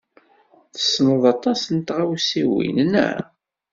Tessneḍ aṭas n tɣawsiwin, naɣ?